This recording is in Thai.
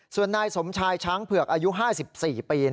ส่วนนายศักดิ์ชัยช้างเผือกอายุ๕๔ปี